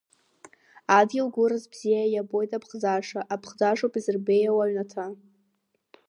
Адгьыл гәыраз бзиа иабоит аԥхӡаша, аԥхӡашоуп изырбеиауа аҩнаҭа.